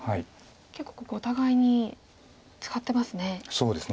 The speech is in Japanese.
結構ここお互いに使ってますね。